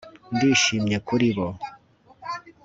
ndishimye kuri bo